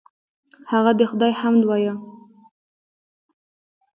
هغه د خدای حمد وایه.